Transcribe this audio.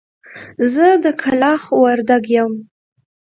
زه د کلاخ وردک يم.